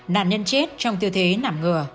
nạn nhân chết trong tiêu thế nảm ngừa